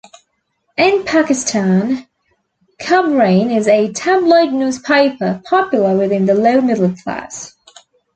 In Pakistan, "Khabrain" is a tabloid newspaper popular within the lower middle class.